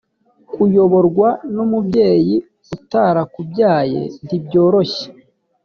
kuyoborwa n umubyeyi utarakubyaye ntibyoroshye